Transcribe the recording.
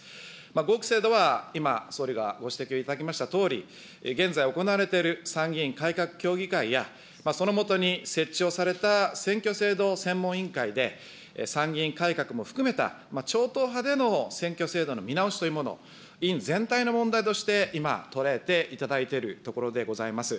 合区制度は今、総理がご指摘をいただきましたとおり、現在行われている参議院改革協議会や、その下に設置をされた選挙制度専門委員会で、参議院改革も含めた超党派での選挙制度の見直しというもの、委員全体の問題として今、捉えていただいているところでございます。